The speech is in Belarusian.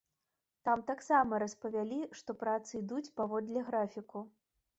Там таксама распавялі, што працы ідуць паводле графіку.